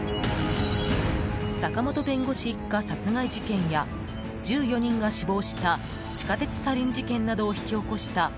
坂本弁護士一家殺害事件や１４人が死亡した地下鉄サリン事件などを引き起こした